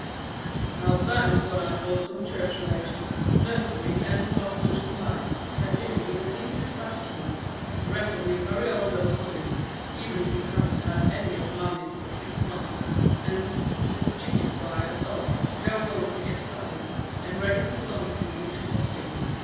"Now that is what I call some church relation, nursery and parsonage combined," said Billy with the deepest gratitude. "The rest of you hurry over those muffins, even if you haven't had any of Mammy's for six months, and, since the chicken fry is off, go home to get suppers and ready for psalm singing and foxing.